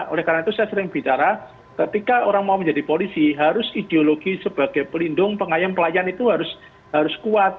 oleh karena itu saya sering bicara ketika orang mau menjadi polisi harus ideologi sebagai pelindung pengayom pelayan itu harus kuat